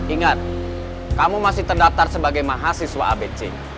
ingat kamu masih terdaftar sebagai mahasiswa abc